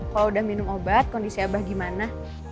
kalau udah minum obat kondisi abah gimana